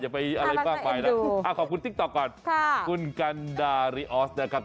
อย่าไปอะไรบ้างไปล่ะขอบคุณติ๊กต็อกก่อนคุณกันดาริออสนะครับ